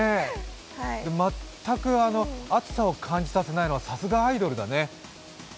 全く暑さを感じさせないのは、さすがアイドルだね。